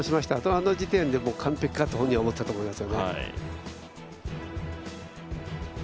あの時点で完璧かと本人は思っていたと思います。